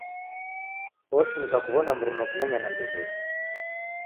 Oshinika kuw'ona mruna ukineng'ena ndiw'enyi.